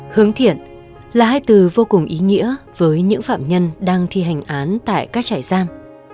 hướng thiện là hai từ vô cùng ý nghĩa với những phạm nhân đang thi hành án tại các trại giam